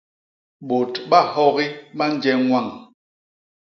Bôt bahogi ba nje ñwañ.